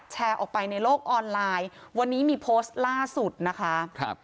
แชร์ออกไปในโลกออนไลน์วันนี้มีโพสต์ล่าสุดนะคะครับ